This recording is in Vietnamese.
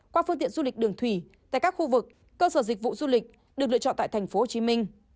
qua phương tiện du lịch đường thủy tại các khu vực cơ sở dịch vụ du lịch được lựa chọn tại tp hcm